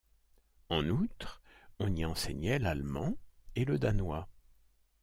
En outre, on y enseignait l'allemand et le danois.